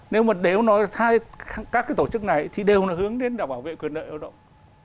nếu mà đều nói các cái tổ chức này thì đều nó hướng đến đảm bảo vệ quyền lợi lao động